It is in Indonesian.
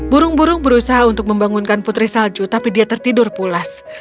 burung burung berusaha untuk membangunkan putri salju tapi dia tertidur pulas